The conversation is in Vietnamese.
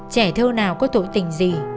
trẻ thơ nào có tội tình gì